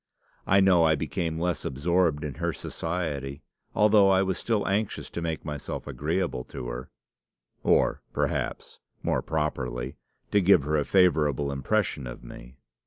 I know I became less absorbed in her society, although I was still anxious to make myself agreeable to her or perhaps, more properly, to give her a favourable impression of me.